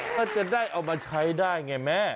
ถ้าจะได้เอามาใช้ได้ไงแม่